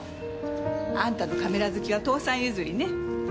あんたのカメラ好きは父さん譲りね。